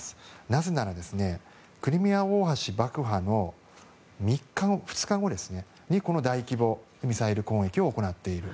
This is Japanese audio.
なぜなら、クリミア大橋爆破の２日後この大規模ミサイル攻撃を行っている。